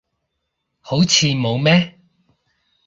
好似冇咩